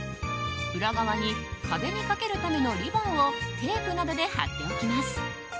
裏側に壁にかけるためのリボンをテープなどで貼っておきます。